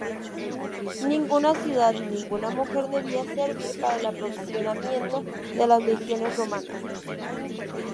Ninguna ciudad, ninguna mujer debía servir para el aprovisionamiento de las legiones romanas.